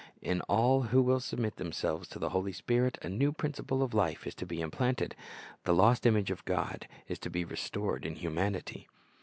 In all who will submit themselves to the Holy Spirit a new principle of life is to be implanted; the lost image of God is to be restored in humanity.